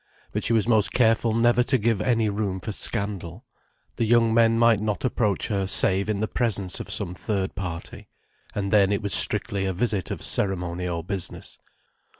But she was most careful never to give any room for scandal. The young men might not approach her save in the presence of some third party. And then it was strictly a visit of ceremony or business.